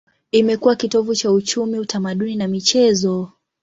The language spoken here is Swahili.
Imekuwa kitovu cha uchumi, utamaduni na michezo.